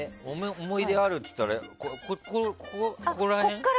思いであるっていったらここら辺？